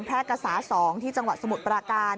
กษา๒ที่จังหวัดสมุทรปราการ